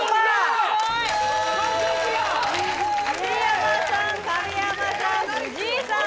すごい！桐山さん神山さん藤井さん